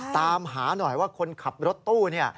ตามหาหน่อยว่าคนขับรถตู้เนี่ย